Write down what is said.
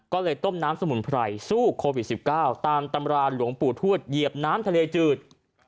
ก็เลยต้มน้ำสมุนไพรสู้โควิด๑๙ตามตำราหลวงปู่ทวดเหยียบน้ำทะเลจืด